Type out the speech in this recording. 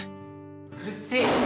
うるせえよ！